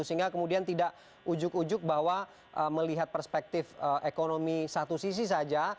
sehingga kemudian tidak ujuk ujuk bahwa melihat perspektif ekonomi satu sisi saja